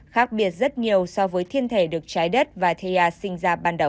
khác biệt rất nhiều so với thiên thể được trái đất và thia sinh ra ban đầu